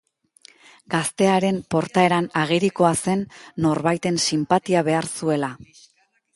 Gaztearen portaeran agerikoa zen norbaiten sinpatia behar zuela.